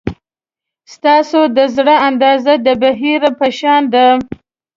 ستاسو د زړه اندازه د بحیرې په شان ده.